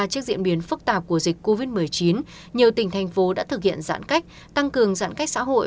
trước diễn biến phức tạp của dịch covid một mươi chín nhiều tỉnh thành phố đã thực hiện giãn cách tăng cường giãn cách xã hội